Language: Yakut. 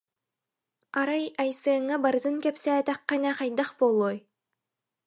Арай Айсеҥҥа барытын кэпсээтэххинэ хайдах буолуой